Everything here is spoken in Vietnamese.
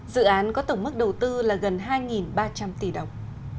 dự án có tổng mức đầu tư là gần hai ba trăm linh tỷ đồng